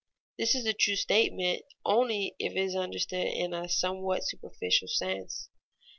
_ This is a true statement only if it is understood in a somewhat superficial sense.